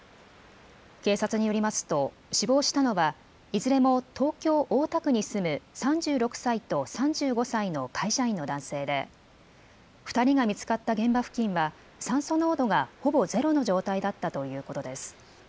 警察によりますと死亡したのはいずれも東京大田区に住む３６歳と３５歳の会社員の男性で２人が見つかった現場付近は酸素濃度がほぼゼロの状態だったということです。